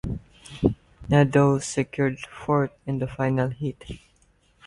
Nadeau secured fourth in the final heat.